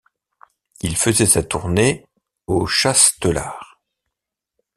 Il faisait sa tournée au Chastelar.